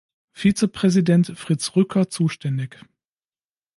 Vizepräsident Fritz Rücker zuständig.